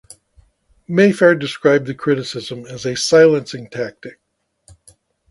Mayfair described the criticism as "a silencing tactic".